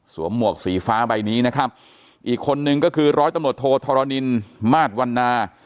หมวกสีฟ้าใบนี้นะครับอีกคนนึงก็คือร้อยตำรวจโทธรณินมาสวันนา